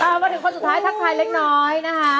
เอามาถึงคนสุดท้ายทักทายเล็กน้อยนะคะ